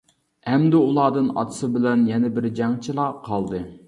ئەمدى ئۇلاردىن ئاتىسى بىلەن يەنە بىر جەڭچىلا قالدى.